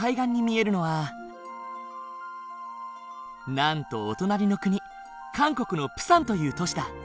なんとお隣の国韓国のプサンという都市だ。